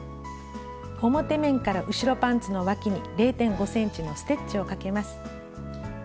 表面から後ろパンツのわきに０．５ｃｍのステッチをかけます。